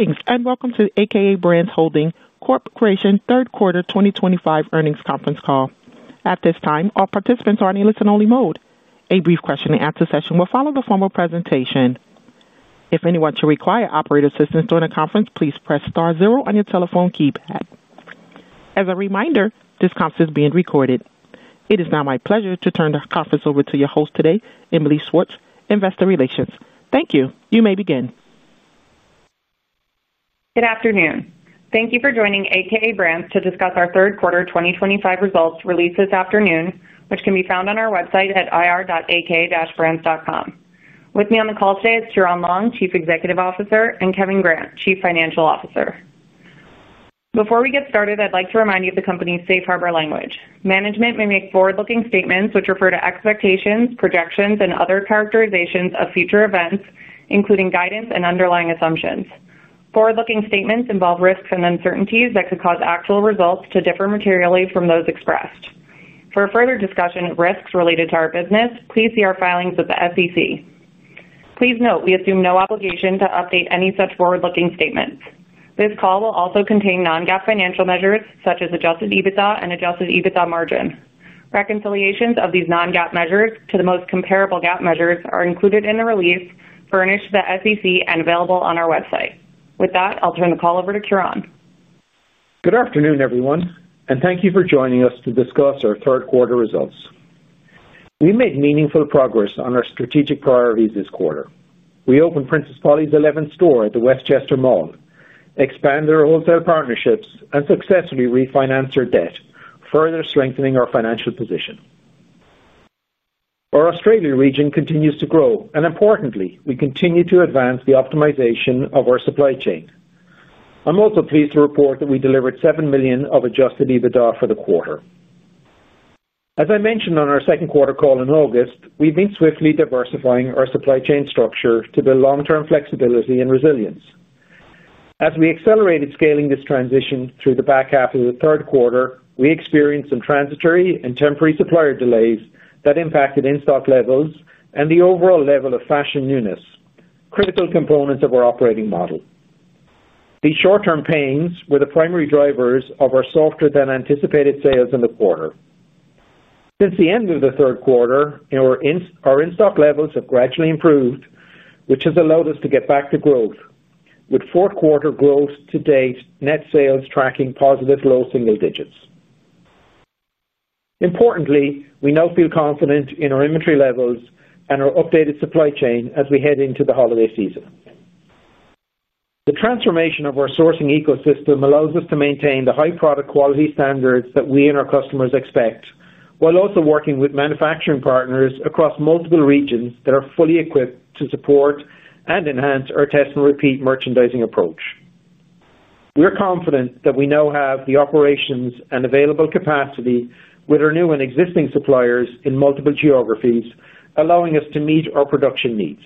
Greetings and welcome to the a.k.a. Brands Holding Corporation Third Quarter 2025 Earnings Conference Call. At this time, all participants are on a listen-only mode. A brief question-and-answer session will follow the formal presentation. If anyone should require operator assistance during the conference, please press star zero on your telephone keypad. As a reminder, this conference is being recorded. It is now my pleasure to turn the conference over to your host today, Emily Schwartz, Investor Relations. Thank you. You may begin. Good afternoon. Thank you for joining a.k.a. Brands to discuss our third quarter 2025 results released this afternoon, which can be found on our website at ir.aka-brands.com. With me on the call today is Ciaran Long, Chief Executive Officer, and Kevin Grant, Chief Financial Officer. Before we get started, I'd like to remind you of the company's safe harbor language. Management may make forward-looking statements which refer to expectations, projections, and other characterizations of future events, including guidance and underlying assumptions. Forward-looking statements involve risks and uncertainties that could cause actual results to differ materially from those expressed. For further discussion of risks related to our business, please see our filings with the SEC. Please note we assume no obligation to update any such forward-looking statements. This call will also contain non-GAAP financial measures such as adjusted EBITDA and adjusted EBITDA margin. Reconciliations of these non-GAAP measures to the most comparable GAAP measures are included in the release furnished to the SEC and available on our website. With that, I'll turn the call over to Ciaran. Good afternoon, everyone, and thank you for joining us to discuss our third quarter results. We made meaningful progress on our strategic priorities this quarter. We opened Princess Polly's 11th store at the Westchester Mall, expanded our wholesale partnerships, and successfully refinanced our debt, further strengthening our financial position. Our Australian region continues to grow, and importantly, we continue to advance the optimization of our supply chain. I'm also pleased to report that we delivered $7 million of adjusted EBITDA for the quarter. As I mentioned on our second quarter call in August, we've been swiftly diversifying our supply chain structure to build long-term flexibility and resilience. As we accelerated scaling this transition through the back half of the third quarter, we experienced some transitory and temporary supplier delays that impacted in-stock levels and the overall level of fashion newness, critical components of our operating model. These short-term pains were the primary drivers of our softer-than-anticipated sales in the quarter. Since the end of the third quarter, our in-stock levels have gradually improved, which has allowed us to get back to growth, with fourth-quarter growth to date net sales tracking positive low single digits. Importantly, we now feel confident in our inventory levels and our updated supply chain as we head into the holiday season. The transformation of our sourcing ecosystem allows us to maintain the high product quality standards that we and our customers expect, while also working with manufacturing partners across multiple regions that are fully equipped to support and enhance our test and repeat merchandising approach. We're confident that we now have the operations and available capacity with our new and existing suppliers in multiple geographies, allowing us to meet our production needs.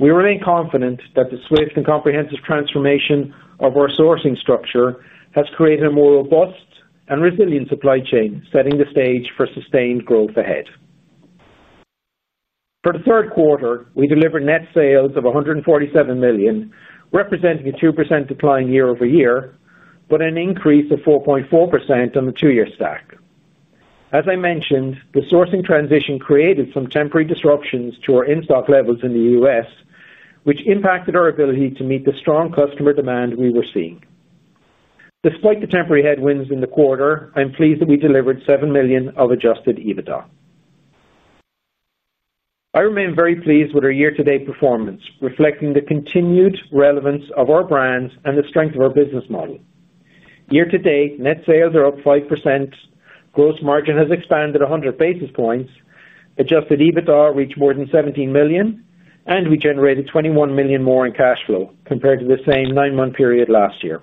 We remain confident that the swift and comprehensive transformation of our sourcing structure has created a more robust and resilient supply chain, setting the stage for sustained growth ahead. For the third quarter, we delivered net sales of $147 million, representing a 2% decline year over year, but an increase of 4.4% on the two-year stack. As I mentioned, the sourcing transition created some temporary disruptions to our in-stock levels in the U.S., which impacted our ability to meet the strong customer demand we were seeing. Despite the temporary headwinds in the quarter, I'm pleased that we delivered $7 million of adjusted EBITDA. I remain very pleased with our year-to-date performance, reflecting the continued relevance of our brands and the strength of our business model. Year-to-date, net sales are up 5%. Gross margin has expanded 100 basis points, adjusted EBITDA reached more than $17 million, and we generated $21 million more in cash flow compared to the same nine-month period last year.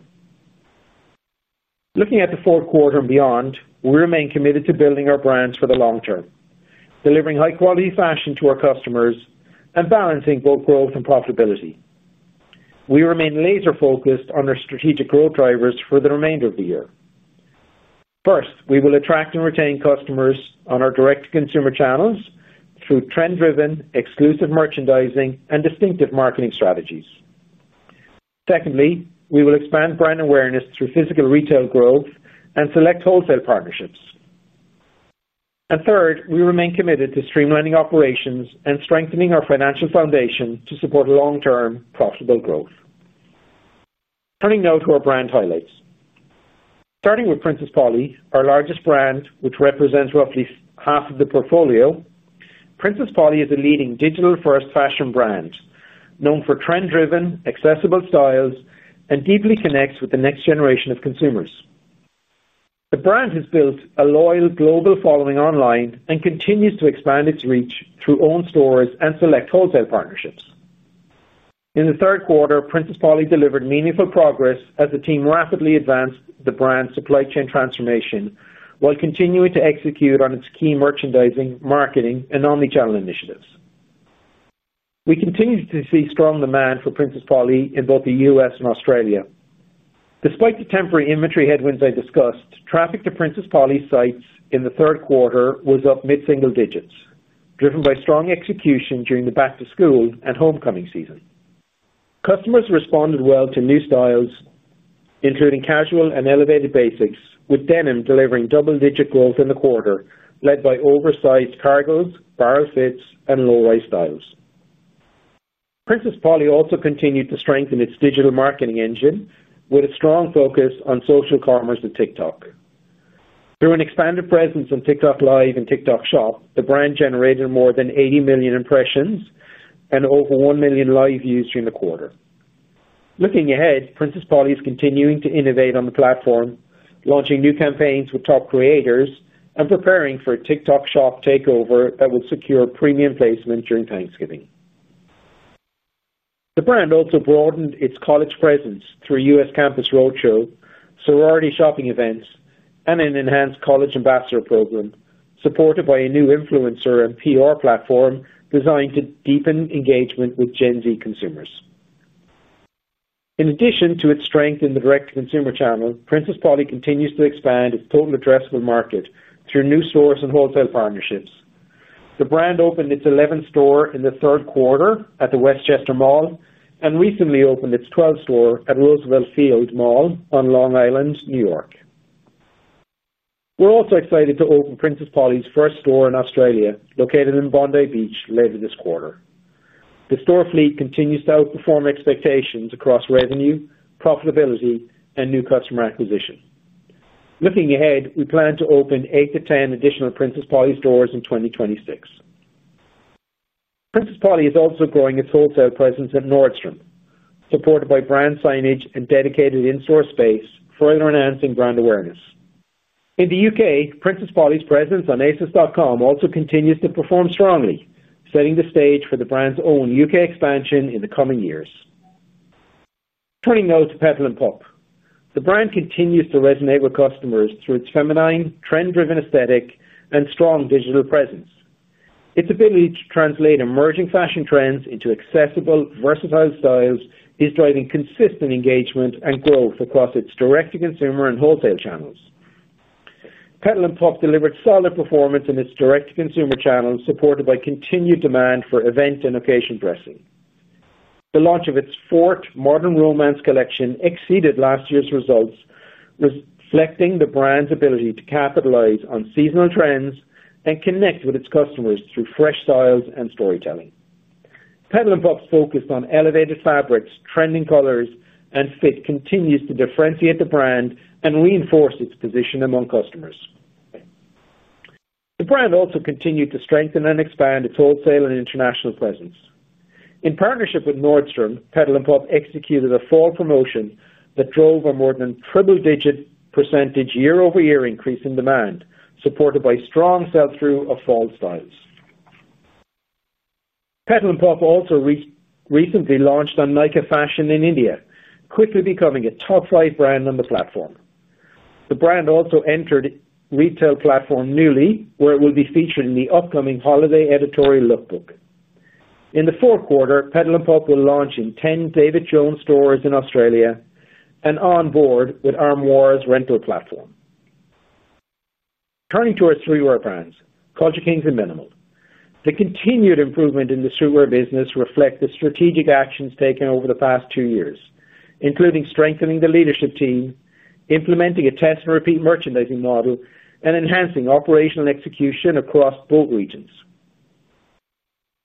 Looking at the fourth quarter and beyond, we remain committed to building our brands for the long term, delivering high-quality fashion to our customers and balancing both growth and profitability. We remain laser-focused on our strategic growth drivers for the remainder of the year. First, we will attract and retain customers on our direct-to-consumer channels through trend-driven, exclusive merchandising, and distinctive marketing strategies. Secondly, we will expand brand awareness through physical retail growth and select wholesale partnerships. Third, we remain committed to streamlining operations and strengthening our financial foundation to support long-term profitable growth. Turning now to our brand highlights. Starting with Princess Polly, our largest brand, which represents roughly half of the portfolio, Princess Polly is a leading digital-first fashion brand known for trend-driven, accessible styles and deeply connects with the next generation of consumers. The brand has built a loyal global following online and continues to expand its reach through own stores and select wholesale partnerships. In the third quarter, Princess Polly delivered meaningful progress as the team rapidly advanced the brand's supply chain transformation while continuing to execute on its key merchandising, marketing, and omnichannel initiatives. We continue to see strong demand for Princess Polly in both the U.S. and Australia. Despite the temporary inventory headwinds I discussed, traffic to Princess Polly's sites in the third quarter was up mid-single digits, driven by strong execution during the back-to-school and homecoming season. Customers responded well to new styles, including casual and elevated basics, with denim delivering double-digit growth in the quarter led by oversized cargoes, barrel fits, and low-rise styles. Princess Polly also continued to strengthen its digital marketing engine with a strong focus on social commerce and TikTok. Through an expanded presence on TikTok Live and TikTok Shop, the brand generated more than 80 million impressions and over 1 million live views during the quarter. Looking ahead, Princess Polly is continuing to innovate on the platform, launching new campaigns with top creators and preparing for a TikTok Shop takeover that will secure premium placement during Thanksgiving. The brand also broadened its college presence through U.S. campus roadshow, sorority shopping events, and an enhanced college ambassador program supported by a new influencer and PR platform designed to deepen engagement with Gen Z consumers. In addition to its strength in the direct-to-consumer channel, Princess Polly continues to expand its total addressable market through new stores and wholesale partnerships. The brand opened its 11th store in the third quarter at the Westchester Mall and recently opened its 12th store at Roosevelt Field Mall on Long Island, New York. We're also excited to open Princess Polly's first store in Australia, located in Bondi Beach, later this quarter. The store fleet continues to outperform expectations across revenue, profitability, and new customer acquisition. Looking ahead, we plan to open 8-10 additional Princess Polly stores in 2026. Princess Polly is also growing its wholesale presence at Nordstrom, supported by brand signage and dedicated in-store space, further enhancing brand awareness. In the U.K., Princess Polly's presence on asos.com also continues to perform strongly, setting the stage for the brand's own U.K. expansion in the coming years. Turning now to Petal & Pup. The brand continues to resonate with customers through its feminine, trend-driven aesthetic and strong digital presence. Its ability to translate emerging fashion trends into accessible, versatile styles is driving consistent engagement and growth across its direct-to-consumer and wholesale channels. Petal & Pup delivered solid performance in its direct-to-consumer channels, supported by continued demand for event and occasion dressing. The launch of its Fort Modern Romance collection exceeded last year's results, reflecting the brand's ability to capitalize on seasonal trends and connect with its customers through fresh styles and storytelling. Petal & Pup's focus on elevated fabrics, trending colors, and fit continues to differentiate the brand and reinforce its position among customers. The brand also continued to strengthen and expand its wholesale and international presence. In partnership with Nordstrom, Petal & Pup executed a fall promotion that drove a more than triple-digit % year-over-year increase in demand, supported by strong sell-through of fall styles. Petal & Pup also recently launched on Nykaa Fashion in India, quickly becoming a top-five brand on the platform. The brand also entered retail platform Nuuly, where it will be featured in the upcoming Holiday Editorial Lookbook. In the fourth quarter, Petal & Pup will launch in 10 David Jones stores in Australia and onboard with Armoire rental platform. Turning to our streetwear brands, Culture Kings and Minimal. The continued improvement in the streetwear business reflects the strategic actions taken over the past two years, including strengthening the leadership team, implementing a test and repeat merchandising model, and enhancing operational execution across both regions.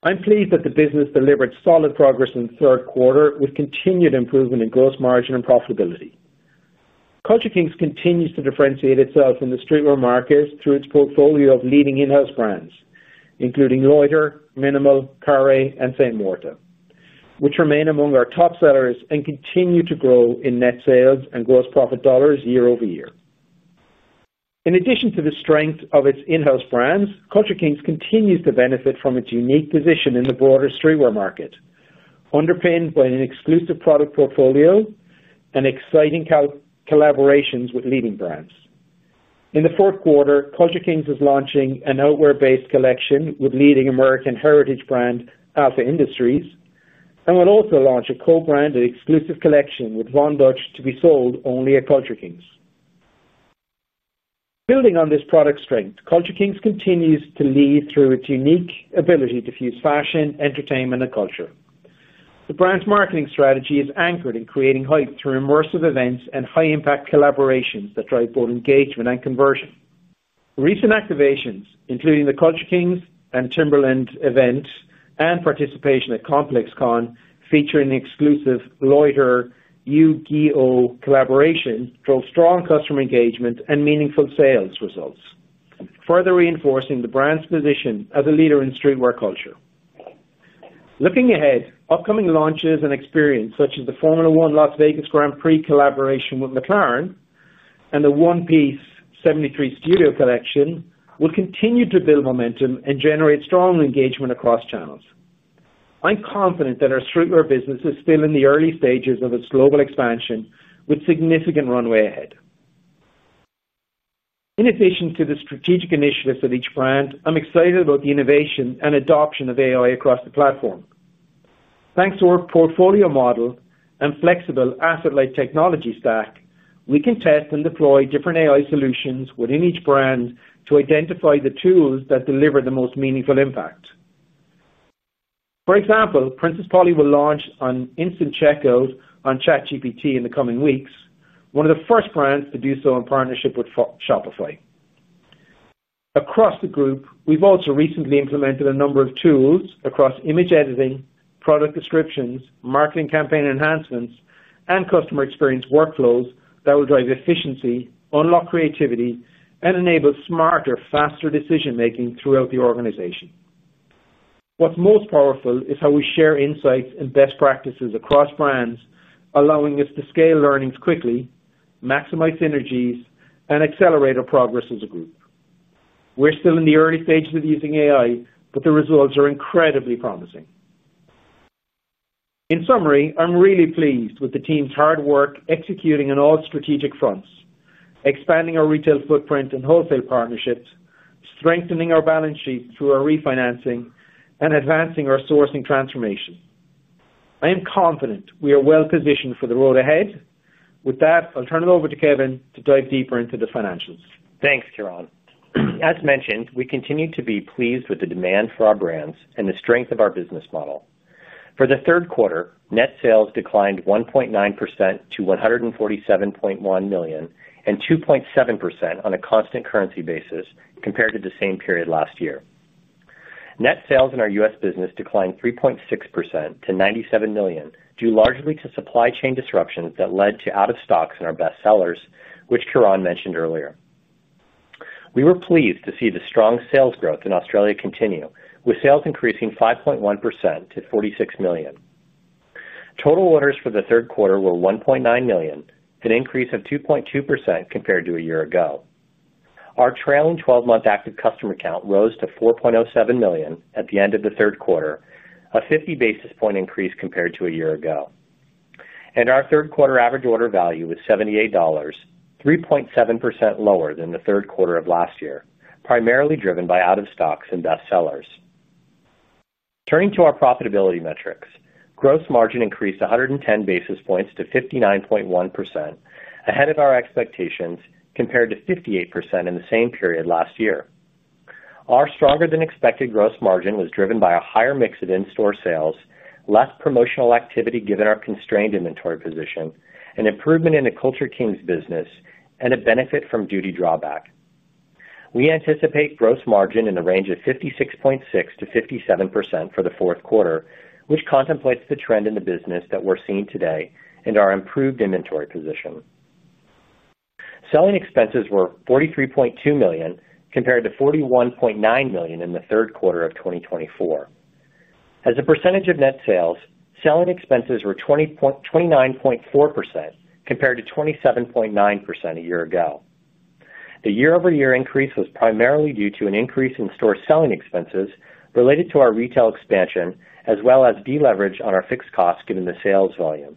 I'm pleased that the business delivered solid progress in the third quarter with continued improvement in gross margin and profitability. Culture Kings continues to differentiate itself in the streetwear market through its portfolio of leading in-house brands, including Loiter, Minimal, Carré, and Saint Morta, which remain among our top sellers and continue to grow in net sales and gross profit dollars year over year. In addition to the strength of its in-house brands, Culture Kings continues to benefit from its unique position in the broader streetwear market, underpinned by an exclusive product portfolio and exciting collaborations with leading brands. In the fourth quarter, Culture Kings is launching an outerwear-based collection with leading American heritage brand Alpha Industries, and will also launch a co-branded exclusive collection with Von Dutch to be sold only at Culture Kings. Building on this product strength, Culture Kings continues to lead through its unique ability to fuse fashion, entertainment, and culture. The brand's marketing strategy is anchored in creating hype through immersive events and high-impact collaborations that drive both engagement and conversion. Recent activations, including the Culture Kings and Timberland events and participation at ComplexCon featuring the exclusive Loiter X Yu-Gi-Oh Collaboration, drove strong customer engagement and meaningful sales results, further reinforcing the brand's position as a leader in streetwear culture. Looking ahead, upcoming launches and experiences such as the Formula One Las Vegas Grand Prix collaboration with McLaren and the One Piece '73 Studio Collection will continue to build momentum and generate strong engagement across channels. I'm confident that our streetwear business is still in the early stages of its global expansion, with significant runway ahead. In addition to the strategic initiatives at each brand, I'm excited about the innovation and adoption of AI across the platform. Thanks to our portfolio model and flexible asset-led technology stack, we can test and deploy different AI solutions within each brand to identify the tools that deliver the most meaningful impact. For example, Princess Polly will launch an instant checkout on ChatGPT in the coming weeks, one of the first brands to do so in partnership with Shopify. Across the group, we've also recently implemented a number of tools across image editing, product descriptions, marketing campaign enhancements, and customer experience workflows that will drive efficiency, unlock creativity, and enable smarter, faster decision-making throughout the organization. What's most powerful is how we share insights and best practices across brands, allowing us to scale learnings quickly, maximize synergies, and accelerate our progress as a group. We're still in the early stages of using AI, but the results are incredibly promising. In summary, I'm really pleased with the team's hard work executing on all strategic fronts, expanding our retail footprint and wholesale partnerships, strengthening our balance sheet through our refinancing, and advancing our sourcing transformation. I am confident we are well-positioned for the road ahead. With that, I'll turn it over to Kevin to dive deeper into the financials. Thanks, Ciaran. As mentioned, we continue to be pleased with the demand for our brands and the strength of our business model. For the third quarter, net sales declined 1.9% to $147.1 million and 2.7% on a constant currency basis compared to the same period last year. Net sales in our U.S. business declined 3.6% to $97 million due largely to supply chain disruptions that led to out-of-stocks in our best sellers, which Ciaran mentioned earlier. We were pleased to see the strong sales growth in Australia continue, with sales increasing 5.1% to $46 million. Total orders for the third quarter were 1.9 million, an increase of 2.2% compared to a year ago. Our trailing 12-month active customer count rose to 4.07 million at the end of the third quarter, a 50 basis point increase compared to a year ago. Our third-quarter average order value was $78, 3.7% lower than the third quarter of last year, primarily driven by out-of-stocks and best sellers. Turning to our profitability metrics, gross margin increased 110 basis points to 59.1%, ahead of our expectations compared to 58% in the same period last year. Our stronger-than-expected gross margin was driven by a higher mix of in-store sales, less promotional activity given our constrained inventory position, an improvement in the Culture Kings business, and a benefit from Duty Drawback. We anticipate gross margin in the range of 56.6%-57% for the fourth quarter, which contemplates the trend in the business that we're seeing today and our improved inventory position. Selling expenses were $43.2 million compared to $41.9 million in the third quarter of 2024. As a percentage of net sales, selling expenses were 29.4% compared to 27.9% a year ago. The year-over-year increase was primarily due to an increase in store selling expenses related to our retail expansion, as well as deleverage on our fixed costs given the sales volume.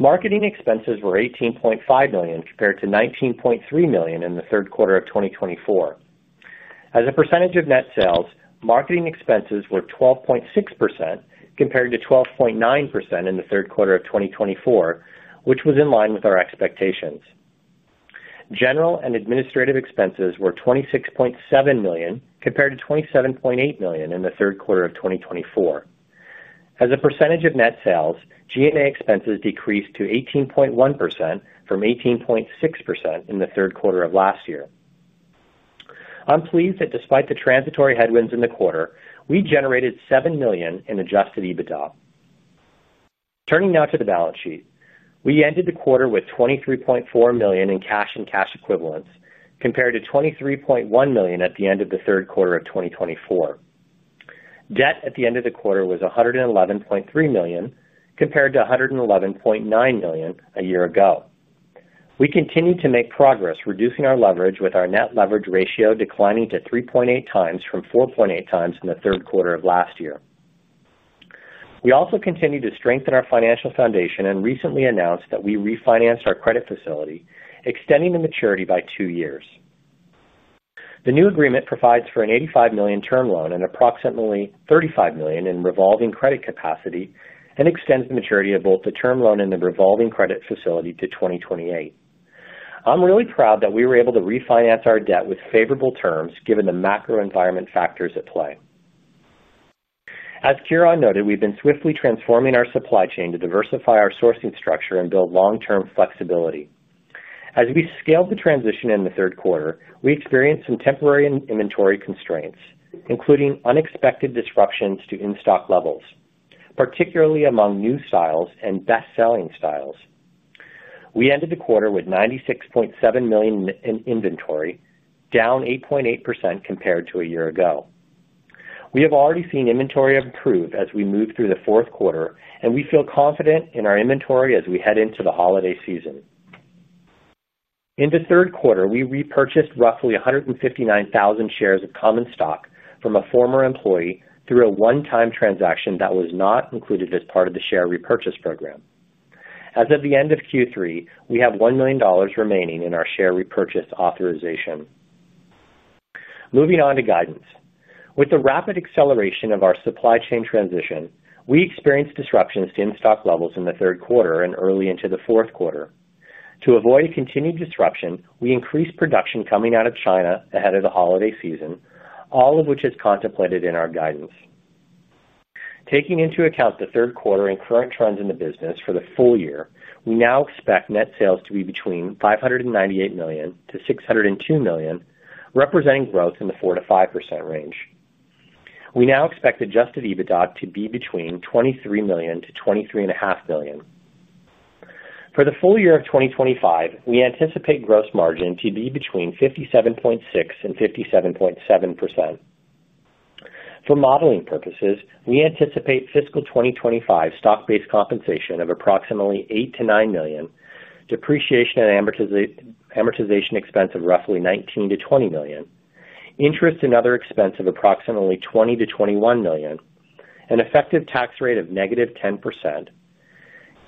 Marketing expenses were $18.5 million compared to $19.3 million in the third quarter of 2024. As a percentage of net sales, marketing expenses were 12.6% compared to 12.9% in the third quarter of 2024, which was in line with our expectations. General and administrative expenses were $26.7 million compared to $27.8 million in the third quarter of 2024. As a percentage of net sales, G&A expenses decreased to 18.1% from 18.6% in the third quarter of last year. I'm pleased that despite the transitory headwinds in the quarter, we generated $7 million in adjusted EBITDA. Turning now to the balance sheet, we ended the quarter with $23.4 million in cash and cash equivalents compared to $23.1 million at the end of the third quarter of 2024. Debt at the end of the quarter was $111.3 million compared to $111.9 million a year ago. We continue to make progress, reducing our leverage with our net leverage ratio declining to 3.8 times from 4.8 times in the third quarter of last year. We also continue to strengthen our financial foundation and recently announced that we refinanced our credit facility, extending the maturity by two years. The new agreement provides for an $85 million term loan and approximately $35 million in revolving credit capacity and extends the maturity of both the term loan and the revolving credit facility to 2028. I'm really proud that we were able to refinance our debt with favorable terms given the macro environment factors at play. As Ciaran noted, we've been swiftly transforming our supply chain to diversify our sourcing structure and build long-term flexibility. As we scaled the transition in the third quarter, we experienced some temporary inventory constraints, including unexpected disruptions to in-stock levels, particularly among new styles and best-selling styles. We ended the quarter with $96.7 million in inventory, down 8.8% compared to a year ago. We have already seen inventory improve as we move through the fourth quarter, and we feel confident in our inventory as we head into the holiday season. In the third quarter, we repurchased roughly 159,000 shares of Common Stock from a former employee through a one-time transaction that was not included as part of the share repurchase program. As of the end of Q3, we have $1 million remaining in our share repurchase authorization. Moving on to guidance. With the rapid acceleration of our supply chain transition, we experienced disruptions to in-stock levels in the third quarter and early into the fourth quarter. To avoid continued disruption, we increased production coming out of China ahead of the holiday season, all of which is contemplated in our guidance. Taking into account the third quarter and current trends in the business for the full year, we now expect net sales to be between $598 million-$602 million, representing growth in the 4%-5% range. We now expect adjusted EBITDA to be between $23 million-$23.5 million. For the full year of 2025, we anticipate gross margin to be between 57.6% and 57.7%. For modeling purposes, we anticipate fiscal 2025 stock-based compensation of approximately $8-9 million, depreciation and amortization expense of roughly $19-20 million, interest and other expense of approximately $20-21 million, an effective tax rate of negative 10%.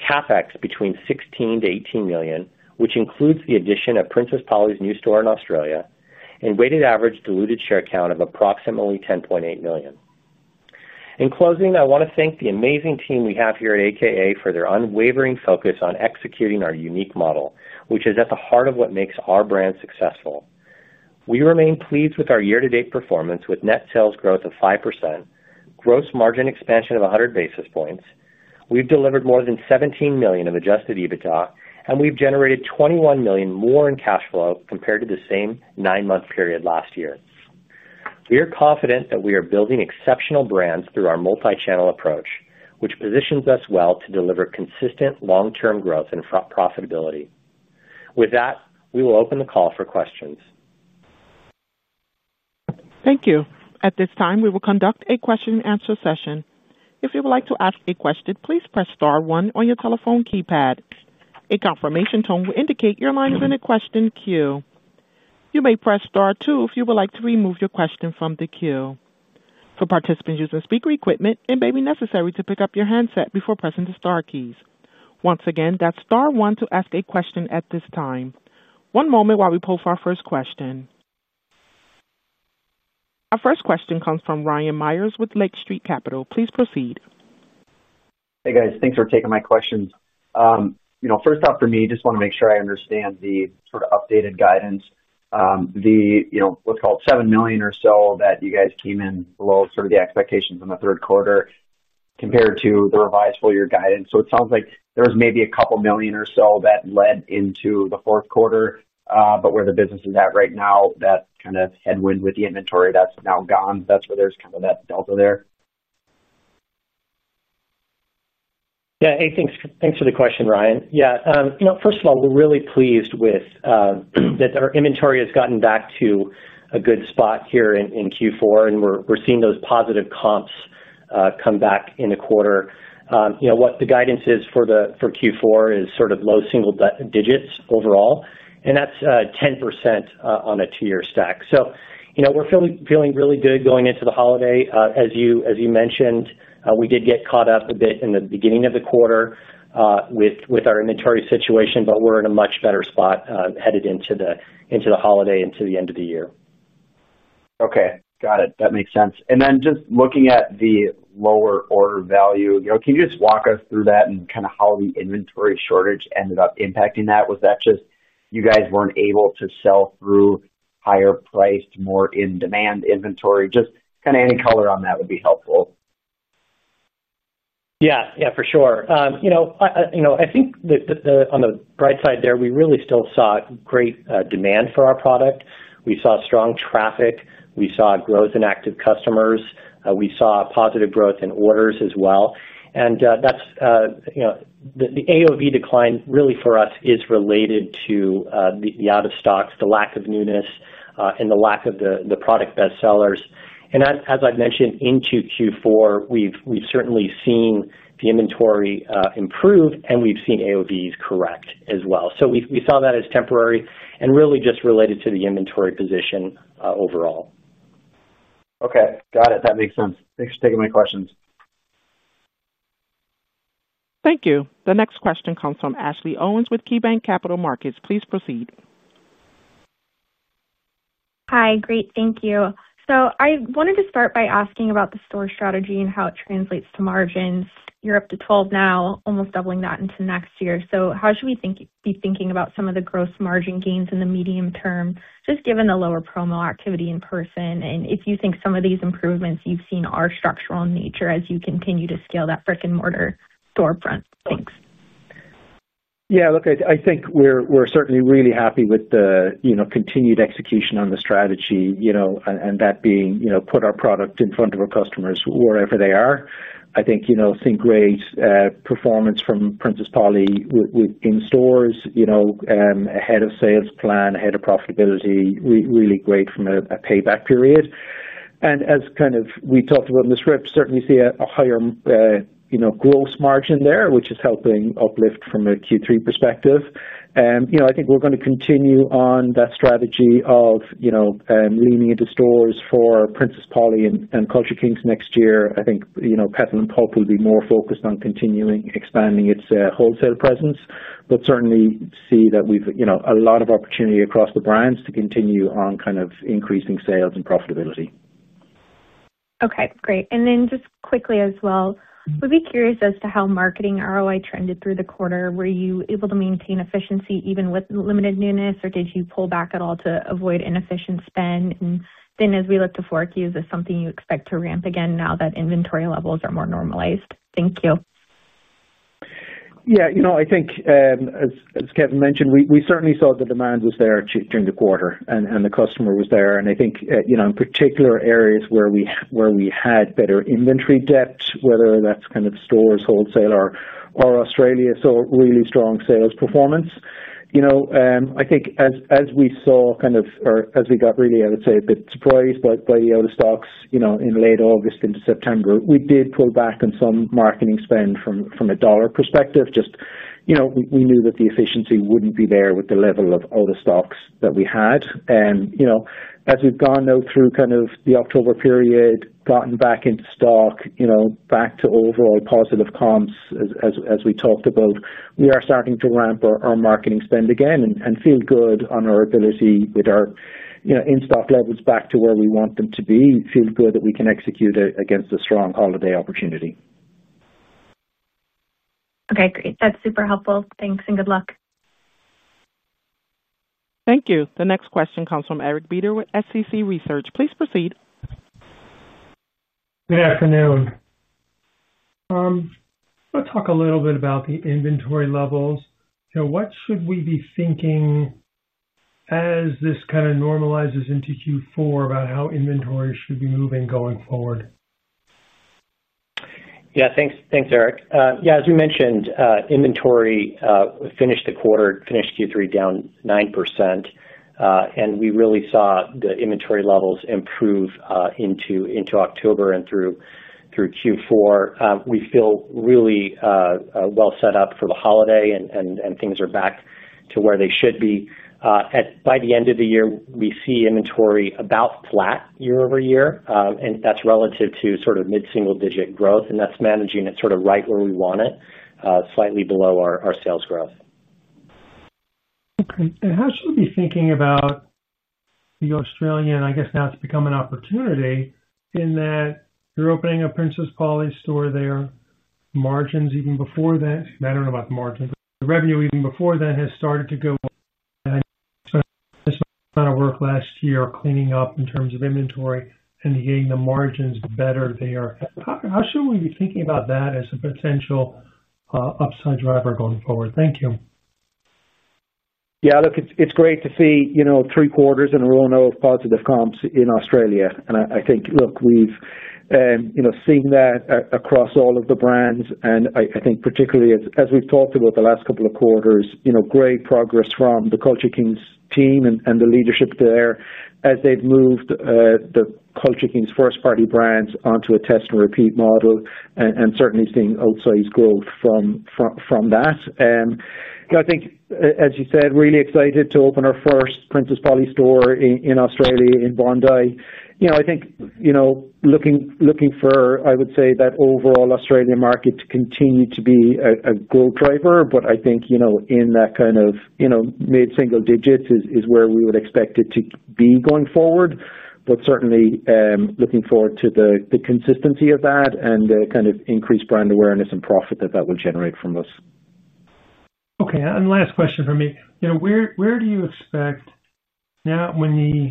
CapEx between $16-18 million, which includes the addition of Princess Polly's new store in Australia, and weighted average diluted share count of approximately 10.8 million. In closing, I want to thank the amazing team we have here at a.k.a. for their unwavering focus on executing our unique model, which is at the heart of what makes our brand successful. We remain pleased with our year-to-date performance with net sales growth of 5%, gross margin expansion of 100 basis points. We've delivered more than $17 million in adjusted EBITDA, and we've generated $21 million more in cash flow compared to the same nine-month period last year. We are confident that we are building exceptional brands through our multi-channel approach, which positions us well to deliver consistent long-term growth and profitability. With that, we will open the call for questions. Thank you. At this time, we will conduct a question-and-answer session. If you would like to ask a question, please press star one on your telephone keypad. A confirmation tone will indicate your line is in a question queue. You may press star two if you would like to remove your question from the queue. For participants using speaker equipment, it may be necessary to pick up your handset before pressing the star keys. Once again, that's star one to ask a question at this time. One moment while we pull for our first question. Our first question comes from Ryan Meyers with Lake Street Capital. Please proceed. Hey, guys. Thanks for taking my questions. First off, for me, I just want to make sure I understand the sort of updated guidance. The, let's call it, $7 million or so that you guys came in below sort of the expectations in the third quarter compared to the revised full-year guidance. It sounds like there was maybe a couple million or so that led into the fourth quarter, but where the business is at right now, that kind of headwind with the inventory that's now gone, that's where there's kind of that Delta there. Yeah. Hey, thanks for the question, Ryan. Yeah. First of all, we're really pleased with. That our inventory has gotten back to a good spot here in Q4, and we're seeing those positive comps come back in the quarter. What the guidance is for Q4 is sort of low single digits overall, and that's 10% on a two-year stack. We are feeling really good going into the holiday. As you mentioned, we did get caught up a bit in the beginning of the quarter with our inventory situation, but we're in a much better spot headed into the holiday and to the end of the year. Okay. Got it. That makes sense. And then just looking at the lower order value, can you just walk us through that and kind of how the inventory shortage ended up impacting that? Was that just you guys were not able to sell through higher-priced, more in-demand inventory? Just kind of any color on that would be helpful. Yeah. Yeah, for sure. I think on the bright side there, we really still saw great demand for our product. We saw strong traffic. We saw growth in active customers. We saw positive growth in orders as well. The AOV decline really for us is related to the out-of-stocks, the lack of newness, and the lack of the product best sellers. As I mentioned, into Q4, we have certainly seen the inventory improve, and we have seen AOVs correct as well. We saw that as temporary and really just related to the inventory position overall. Okay. Got it. That makes sense. Thanks for taking my questions. Thank you. The next question comes from Ashley Owens with KeyBanc Capital Markets. Please proceed. Hi. Great. Thank you. I wanted to start by asking about the store strategy and how it translates to margins. You're up to 12 now, almost doubling that into next year. How should we be thinking about some of the gross margin gains in the medium term, just given the lower promo activity in person? If you think some of these improvements you've seen are structural in nature as you continue to scale that brick-and-mortar storefront, thanks. Yeah. Look, I think we're certainly really happy with the continued execution on the strategy. That being put our product in front of our customers wherever they are. I think seeing great performance from Princess Polly in stores. Ahead of sales plan, ahead of profitability, really great from a payback period. As kind of we talked about in the script, certainly see a higher gross margin there, which is helping uplift from a Q3 perspective. I think we're going to continue on that strategy of. Leaning into stores for Princess Polly and Culture Kings next year. I think Petal & Pup will be more focused on continuing expanding its wholesale presence, but certainly see that we've a lot of opportunity across the brands to continue on kind of increasing sales and profitability. Okay. Great. And then just quickly as well, we'd be curious as to how marketing ROI trended through the quarter. Were you able to maintain efficiency even with limited newness, or did you pull back at all to avoid inefficient spend? As we look forward to you, is this something you expect to ramp again now that inventory levels are more normalized? Thank you. Yeah. I think. As Kevin mentioned, we certainly saw the demand was there during the quarter and the customer was there. I think in particular areas where we had better inventory depth, whether that's kind of stores, wholesale, or Australia, really strong sales performance. I think as we saw, or as we got really, I would say, a bit surprised by the out-of-stocks in late August into September, we did pull back on some marketing spend from a dollar perspective. Just, we knew that the efficiency wouldn't be there with the level of out-of-stocks that we had. As we've gone through the October period, gotten back into stock, back to overall positive comps as we talked about, we are starting to ramp our marketing spend again and feel good on our ability with our in-stock levels back to where we want them to be, feel good that we can execute against a strong holiday opportunity. Okay. Great. That's super helpful. Thanks and good luck. Thank you. The next question comes from Eric Beder with SCC Research. Please proceed. Good afternoon. Let's talk a little bit about the inventory levels. What should we be thinking as this kind of normalizes into Q4 about how inventory should be moving going forward? Yeah. Thanks, Eric. Yeah. As we mentioned, inventory finished the quarter, finished Q3 down 9%. And we really saw the inventory levels improve into October and through Q4. We feel really well set up for the holiday, and things are back to where they should be. By the end of the year, we see inventory about flat year over year, and that's relative to sort of mid-single-digit growth, and that's managing it sort of right where we want it, slightly below our sales growth. Okay. And how should we be thinking about the Australian? I guess now it's become an opportunity in that you're opening a Princess Polly store there, margins even before then. I don't know about the margins. The revenue even before then has started to go. This kind of work last year, cleaning up in terms of inventory and getting the margins better there. How should we be thinking about that as a potential upside driver going forward? Thank you. Yeah. Look, it's great to see three quarters in a row of positive comps in Australia. I think, look, we've seen that across all of the brands. I think particularly as we've talked about the last couple of quarters, great progress from the Culture Kings team and the leadership there as they've moved the Culture Kings first-party brands onto a test-and-repeat model and certainly seeing outsized growth from that. I think, as you said, really excited to open our first Princess Polly store in Australia in Bondi. I think looking for, I would say, that overall Australian market to continue to be a growth driver. I think in that kind of mid-single digits is where we would expect it to be going forward. Certainly looking forward to the consistency of that and the kind of increased brand awareness and profit that that will generate from us. Okay. Last question for me. Where do you expect, now, when the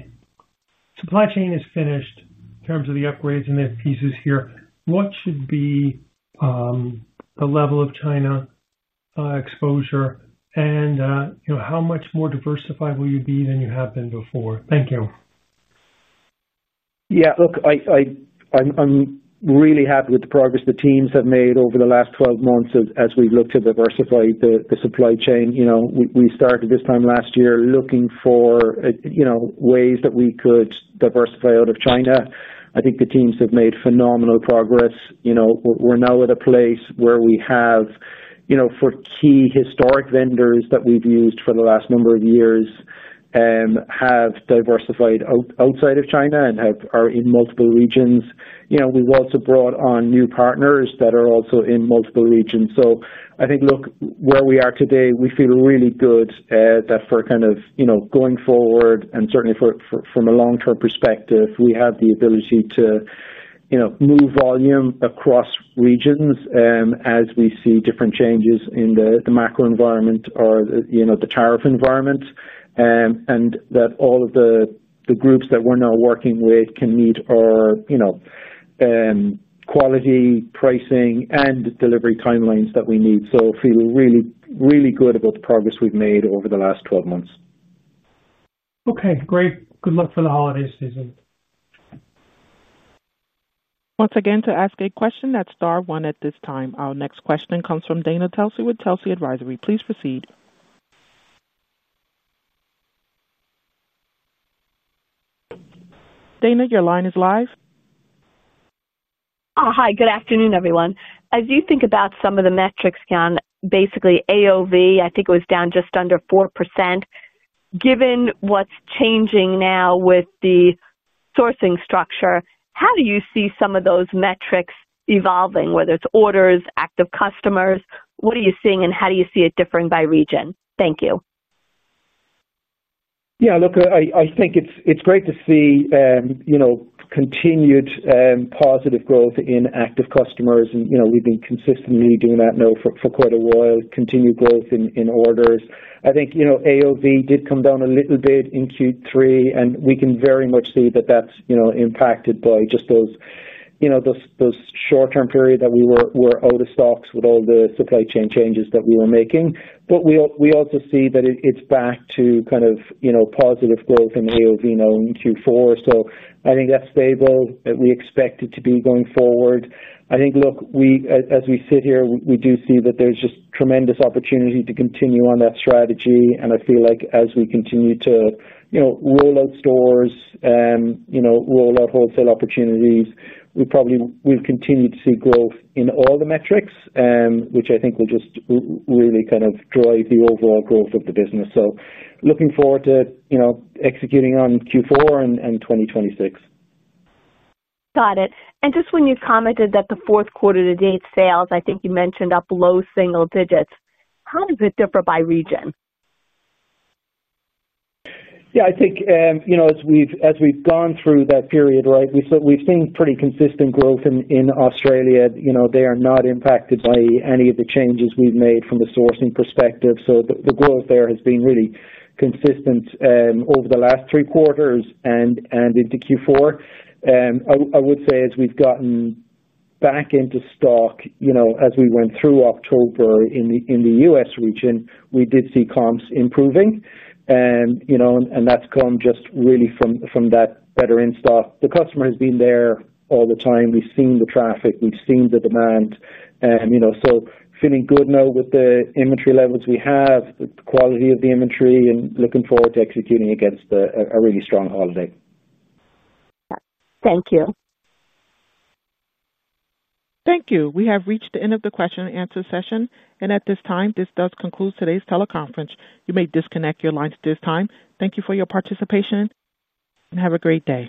supply chain is finished in terms of the upgrades and the pieces here, what should be the level of China exposure and how much more diversified will you be than you have been before? Thank you. Yeah. Look. I'm really happy with the progress the teams have made over the last 12 months as we've looked to diversify the supply chain. We started this time last year looking for ways that we could diversify out of China. I think the teams have made phenomenal progress. We're now at a place where we have four key historic vendors that we've used for the last number of years have diversified outside of China and are in multiple regions. We've also brought on new partners that are also in multiple regions. I think, look, where we are today, we feel really good that for kind of going forward and certainly from a long-term perspective, we have the ability to move volume across regions as we see different changes in the macro environment or the tariff environment. That all of the groups that we're now working with can meet our, quality, pricing, and delivery timelines that we need. So feel really, really good about the progress we've made over the last 12 months. Okay. Great. Good luck for the holiday season. Once again, to ask a question, that's star one at this time. Our next question comes from Dana Telsey with Telsey Advisory. Please proceed. Dana, your line is live. Hi. Good afternoon, everyone. As you think about some of the metrics, Ciaran, basically AOV, I think it was down just under 4%. Given what's changing now with the sourcing structure, how do you see some of those metrics evolving, whether it's orders, active customers? What are you seeing, and how do you see it differing by region? Thank you. Yeah. Look, I think it's great to see continued positive growth in active customers. And we've been consistently doing that now for quite a while, continued growth in orders. I think. AOV did come down a little bit in Q3, and we can very much see that that's impacted by just those short-term period that we were out of stocks with all the supply chain changes that we were making. But we also see that it's back to kind of positive growth in AOV now in Q4. I think that's stable. We expect it to be going forward. I think, look, as we sit here, we do see that there's just tremendous opportunity to continue on that strategy. I feel like as we continue to roll out stores and roll out wholesale opportunities, we'll continue to see growth in all the metrics, which I think will just really kind of drive the overall growth of the business. Looking forward to executing on Q4 and 2026. Got it. Just when you commented that the fourth quarter-to-date sales, I think you mentioned up low single digits, how does it differ by region? Yeah. I think as we've gone through that period, we've seen pretty consistent growth in Australia. They are not impacted by any of the changes we've made from the sourcing perspective. The growth there has been really consistent over the last three quarters and into Q4. I would say as we've gotten back into stock, as we went through October in the U.S. region, we did see comps improving. That has come just really from that better in stock. The customer has been there all the time. We've seen the traffic. We've seen the demand. Feeling good now with the inventory levels we have, the quality of the inventory, and looking forward to executing against a really strong holiday. Thank you. Thank you. We have reached the end of the question-and-answer session. At this time, this does conclude today's teleconference. You may disconnect your lines at this time. Thank you for your participation and have a great day.